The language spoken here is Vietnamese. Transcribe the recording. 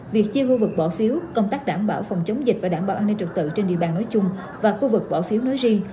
việc chia khu vực bỏ phiếu công tác đảm bảo phòng chống dịch và đảm bảo an ninh trực tự trên địa bàn nói chung và khu vực bỏ phiếu nói riêng